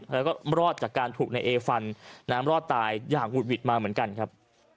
แล้วก็รอดจากการถูกนายเอฟันน้ำรอดตายอย่างหุดหวิดมาเหมือนกันครับ